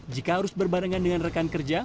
jika harus berbarengan dengan rekan kerja